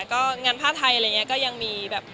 ก็งานผ้าไทยอะไรอย่างเงี้ย